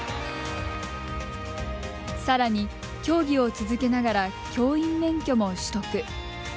さらに競技を続けながら教員免許も取得。